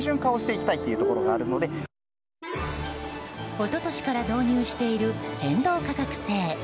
一昨年から導入している変動価格制。